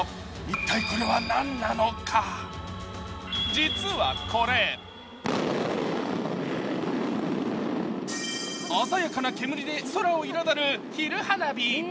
実はこれ鮮やかな煙で空を彩る昼花火。